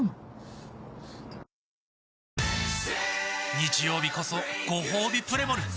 日曜日こそごほうびプレモル！